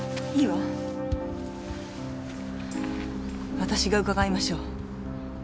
私が伺いましょう。